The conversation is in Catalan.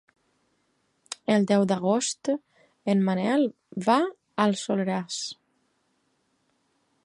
El deu d'agost en Manel va al Soleràs.